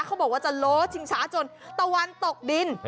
เขาบอกว่าจะโล้ชิงช้าจนตะวันตกดิน